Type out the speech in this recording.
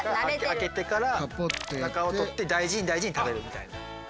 開けてから中を取って大事に大事に食べるみたいな。